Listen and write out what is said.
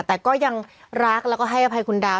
แต่ก็ยังรักแล้วก็ให้อภัยคุณดาว